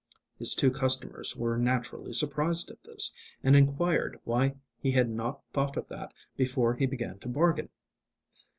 His two customers were naturally surprised at this, and inquired why he had not thought of that before he began to bargain.